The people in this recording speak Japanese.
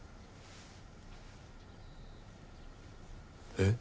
えっ？